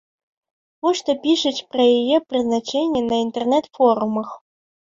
Вось што пішуць пра яе прызначэнне на інтэрнэт-форумах.